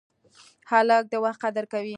هلک د وخت قدر کوي.